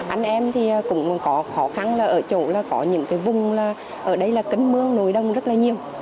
anh em thì cũng có khó khăn ở chỗ là có những cái vùng là ở đây là kính mưa nồi đông rất là nhiều